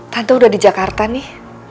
tante udah di jakarta nih